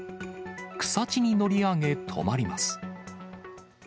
草地に乗り上げ、止まります。